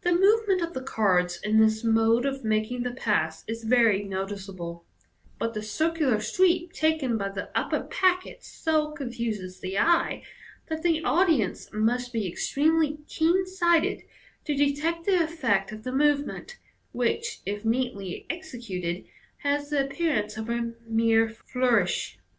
The move ment of the cards in this mode of making the pass is very noticeable ; but the circular sweep taken by the upper packet so confuses the eye, that the audience must be extremely keen sighted to detect the effect of the move ment, which, if neatly executed, has the appearance of a mere flourish.